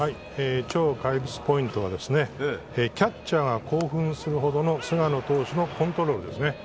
超怪物ポイントはキャッチャーが興奮するほどの菅野投手のコントロールですね。